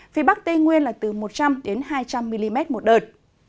phía bắc tây nguyên là từ một trăm linh hai trăm linh mm một đợt